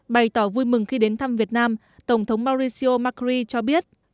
bày tỏ vui mừng khi đến thăm việt nam tổng thống mauricio macri cho biết